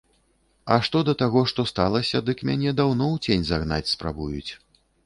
А што да таго, што сталася, дык мяне даўно ў цень загнаць спрабуюць.